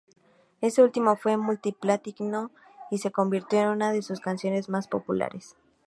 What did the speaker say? Este último fue multi-platino y se convirtió en una de sus canciones más populares.